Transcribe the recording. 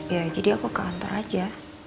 ya jadi aku ke kantor aja